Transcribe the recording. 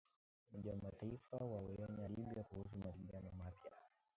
Umoja wa Mataifa waionya Libya kuhusu mapigano mapya.